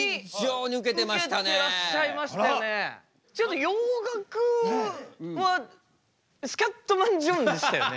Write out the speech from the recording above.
ちょっと洋楽はスキャットマン・ジョンでしたよね。